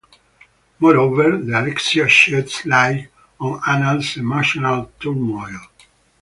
Moreover, the "Alexiad" sheds light on Anna's emotional turmoil.